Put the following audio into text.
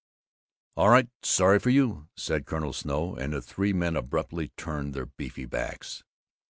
"All right. Sorry for you!" said Colonel Snow, and the three men abruptly turned their beefy backs.